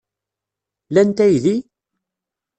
Lant aydi?